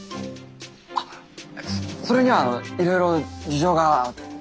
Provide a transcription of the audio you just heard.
あっそれにはいろいろ事情が。